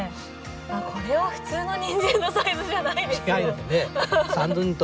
あこれは普通のニンジンのサイズじゃないですよ。